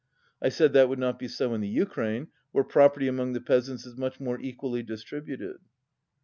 I said that would not be so in the Ukraine, where property among the peasants is much more equally dis tributed.